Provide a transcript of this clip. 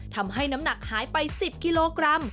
ทำให้น้ำหนักหายไป๑๐กิโลกรัม